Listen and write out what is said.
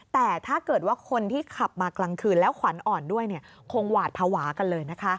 แต่ถ้าเกิดว่าคนที่ขับมากลางคืนแล้วขวัญอ่อนด้วยคงหวาดภาวะกันเลยนะคะ